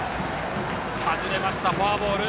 外れました、フォアボール。